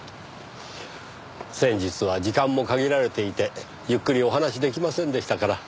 先日は時間も限られていてゆっくりお話し出来ませんでしたから。